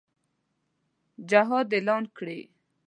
جهاد اعلان کړي.